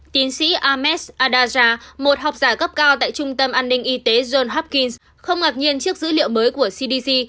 tín sĩ ahmed adarja một học giả cấp cao tại trung tâm an ninh y tế john hopkins không ngạc nhiên trước dữ liệu mới của cdc